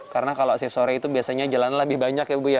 karena kalau shift sore itu biasanya jalan lebih banyak ya bu ya